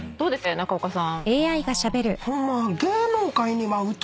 中岡さん。